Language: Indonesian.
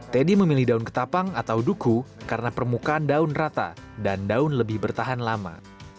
teddy memilih daun ketapang atau duku karena permukaan daun rata dan daun lebih bertahan lama